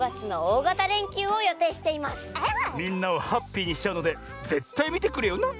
みんなをハッピーにしちゃうのでぜったいみてくれよな！